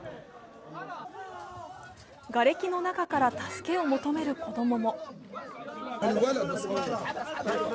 がれきの中から助けを求める子供も。